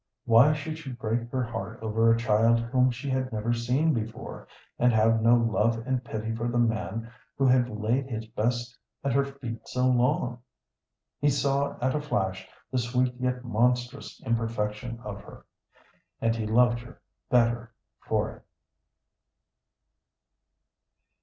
Why should she break her heart over a child whom she had never seen before, and have no love and pity for the man who had laid his best at her feet so long? He saw at a flash the sweet yet monstrous imperfection of her, and he loved her better for it.